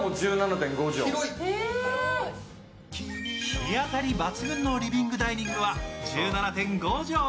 日当たり抜群のリビングダイニングは１７．５畳。